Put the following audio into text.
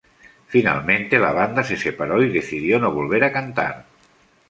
Finalmente la banda se separó y decidió no volver a cantar.